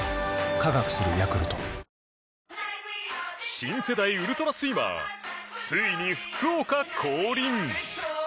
新世代ウルトラスイマーついに福岡降臨。